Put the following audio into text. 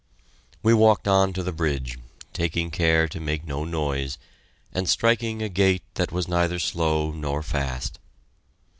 We walked on to the bridge, taking care to make no noise, and striking a gait that was neither slow nor fast.